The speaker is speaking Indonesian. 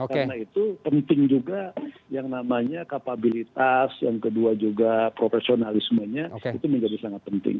karena itu penting juga yang namanya kapabilitas yang kedua juga profesionalismenya itu menjadi sangat penting